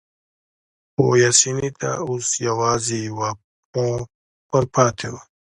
خو پاسیني ته اوس یوازې یوه پښه ورپاتې وه.